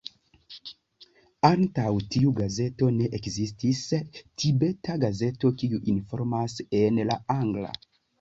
Antaŭ tiu gazeto, ne ekzistis Tibeta gazeto kiu informas en la angla.